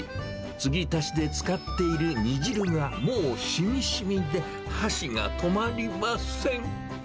継ぎ足しで使っている煮汁がもうしみしみで、箸が止まりません。